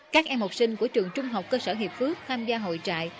các em học sinh của trường trung học cơ sở hiệp phước tham gia hội trại